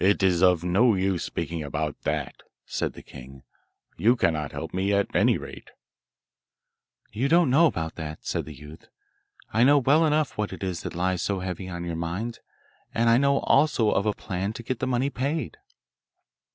'It's of no use speaking about that,' said the king; 'you cannot help me, at any rate.' 'You don't know about that,' said the youth; ' I know well enough what it is that lies so heavy on your mind, and I know also of a plan to get the money paid.